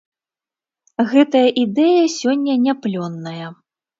Гэтая ідэя сёння не плённая.